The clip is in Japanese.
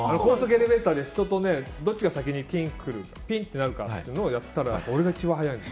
エレベーターで人とどっちが先にピンってくるかっていうのやったら俺が一番早いの。